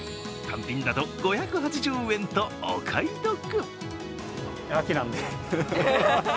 単品だと５８０円とお買い得。